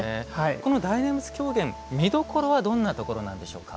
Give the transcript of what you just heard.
この大念仏狂言見どころはどんなところなんでしょうか。